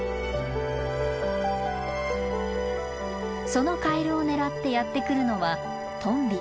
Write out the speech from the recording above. そのカエルを狙ってやって来るのはトンビ。